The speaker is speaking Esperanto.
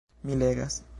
Mi legas.